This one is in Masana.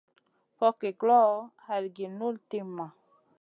Fogki guloʼo, halgi guʼ nul timma.